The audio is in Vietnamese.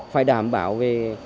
phải đảm bảo về